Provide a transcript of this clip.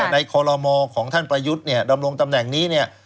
ในคอลอมอร์ของท่านประยุทธ์ดำรงตำแหน่งนี้